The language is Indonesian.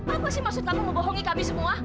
apa sih maksud kamu membohongi kami semua